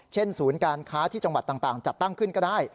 ศูนย์การค้าที่จังหวัดต่างจัดตั้งขึ้นก็ได้